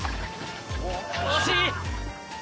惜しい。